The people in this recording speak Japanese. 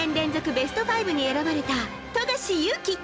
ベスト５に選ばれた富樫勇樹。